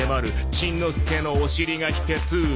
「しんのすけのお尻が秘訣」